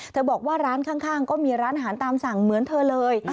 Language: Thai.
บอกว่าร้านข้างก็มีร้านอาหารตามสั่งเหมือนเธอเลย